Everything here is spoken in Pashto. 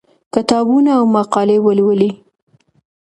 کتابونه او مقالې ولولئ.